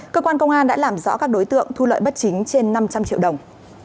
cơ quan công an đã làm rõ các đối tượng thu lợi bất chính trên năm trăm linh triệu đồng